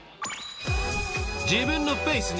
［自分のフェースに］